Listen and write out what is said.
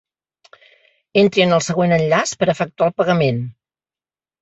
Entri en el següent enllaç per efectuar el pagament:.